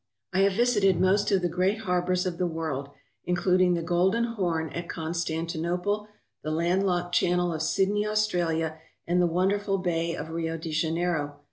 I have visited most of the great harbours of the world, including the Golden Horn, at Constantinople, the land locked channel of Sydney, Australia, and the wonderful Bay of Rio de Janeiro.